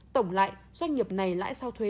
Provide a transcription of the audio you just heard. tổng lại doanh nghiệp này lãi sau thuế